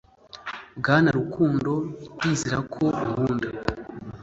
Bwana Rukundo, ndizera ko unkunda